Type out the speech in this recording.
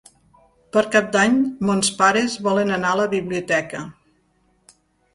Per Cap d'Any mons pares volen anar a la biblioteca.